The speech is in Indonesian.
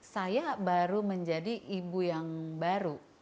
saya baru menjadi ibu yang baru